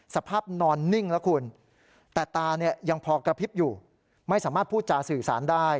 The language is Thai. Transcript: สภาพนอนนิ่งแต่ตาพอกระพริบอยู่ไม่สามารถพูดจ่างศูสาร